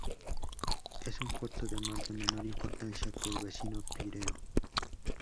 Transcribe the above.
Es un puerto de mar de menor importancia que el vecino Pireo.